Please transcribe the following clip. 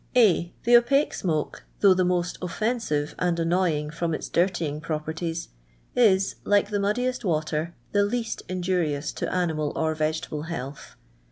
A. The Opaque smoke, though the most offen sive and annoying from its dirtying properties, is, like the muddiest water, the least injurious to animal or vegetable health.